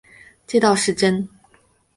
这倒是真